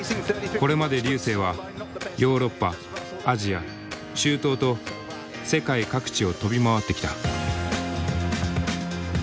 これまで瑠星はヨーロッパアジア中東と世界各地を飛び回ってきた。